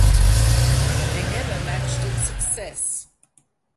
They never matched its success.